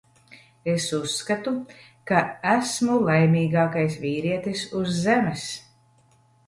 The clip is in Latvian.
Es uzskatu, ka esmu laimīgākais vīrietis uz Zemes.